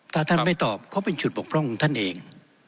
ถ้าท่านไม่ตอบเขาเป็นจุดบกพร่องของท่านเอง